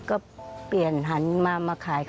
ป้าก็ทำของคุณป้าได้ยังไงสู้ชีวิตขนาดไหนติดตามกัน